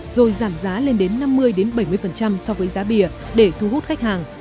rồi giảm giá lên đến năm mươi bảy mươi so với giá bìa để thu hút khách hàng